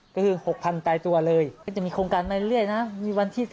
ก็คือ๖๐๐๐ตายตัวเลยก็จะมีโครงการมาเรื่อยนะมีวันที่๑๗